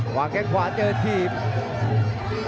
หวังแก้งขวาเจอทีม